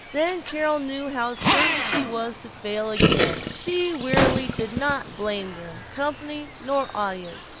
Then Carol knew how certain she was to fail again. She wearily did not blame them, company nor audience.